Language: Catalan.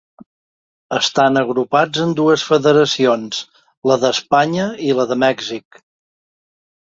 Estan agrupats en dues federacions: la d'Espanya i la de Mèxic.